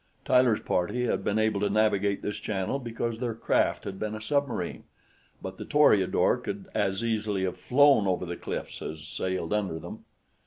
Tyler's party had been able to navigate this channel because their craft had been a submarine; but the Toreador could as easily have flown over the cliffs as sailed under them.